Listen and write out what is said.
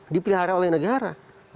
dipelihara oleh negara